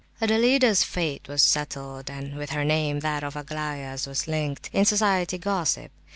Adelaida's fate was settled; and with her name that of Aglaya's was linked, in society gossip.